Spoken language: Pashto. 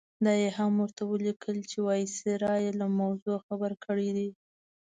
دا یې هم ورته ولیکل چې وایسرا یې له موضوع خبر کړی دی.